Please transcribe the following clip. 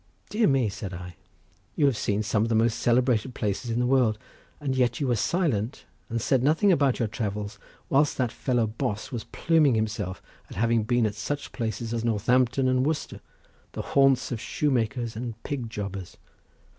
"Dear me," said I, "you have seen some of the most celebrated places in the world—and yet you were silent, and said nothing about your travels whilst that fellow Bos was pluming himself at having been at such places as Northampton and Worcester, the haunts of shoemakers and pig jobbers."